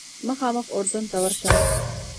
مخامخ اردن ته ورشم.